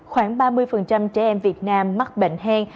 khoảng ba mươi trẻ em việt nam mắc bệnh hen